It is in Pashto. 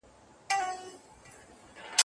پر ورکه لار ملګري سول روان څه به کوو؟